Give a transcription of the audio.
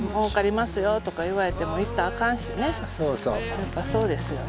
やっぱそうですよね。